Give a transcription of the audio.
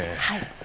はい。